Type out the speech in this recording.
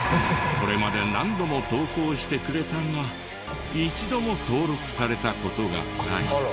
これまで何度も投稿してくれたが一度も登録された事がない。